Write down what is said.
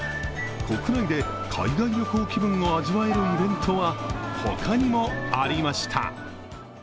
国内で海外旅行気分を味わえるイベントは、他にもありました。